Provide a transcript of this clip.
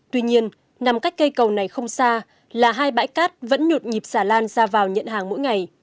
tuy nhiên nằm cách cây cầu này không xa là hai bãi cát vẫn nhộn nhịp xà lan ra vào nhận hàng mỗi ngày